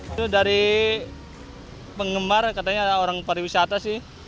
itu dari penggemar katanya orang pariwisata sih